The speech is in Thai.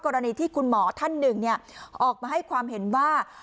กรณีที่คุณหมอท่านหนึ่งออกมาให้ความเห็นว่า